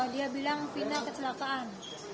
dia bilang final kecelakaan